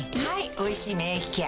「おいしい免疫ケア」